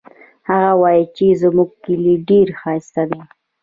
هغه وایي چې زموږ کلی ډېر ښایسته ده